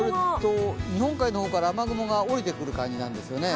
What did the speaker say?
日本海の方から雨雲が降りてくる感じなんですよね。